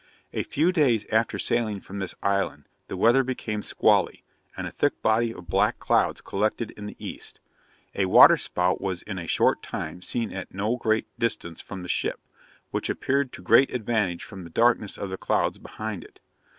A few days after sailing from this island, the weather became squally, and a thick body of black clouds collected in the east. A water spout was in a short time seen at no great distance from the ship, which appeared to great advantage from the darkness of the clouds behind it.